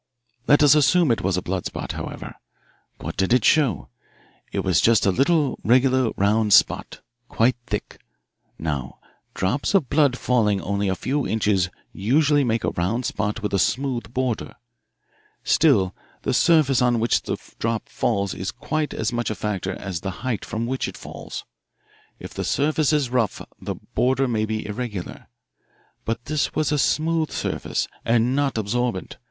"Let us assume it was a blood spot, however. What did it show? It was just a little regular round spot, quite thick. Now, drops of blood falling only a few inches usually make a round spot with a smooth border. Still the surface on which the drop falls is quite as much a factor as the height from which it falls. If the surface is rough the border may be irregular. But this was a smooth surface and not absorbent.